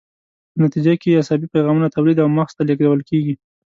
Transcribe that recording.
په نتیجه کې یې عصبي پیغامونه تولید او مغز ته لیږدول کیږي.